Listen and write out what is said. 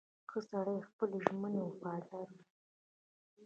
• ښه سړی د خپلې ژمنې وفادار وي.